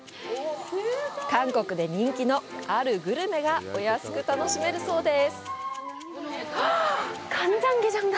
韓国で人気のあるグルメがお安く楽しめるそうです！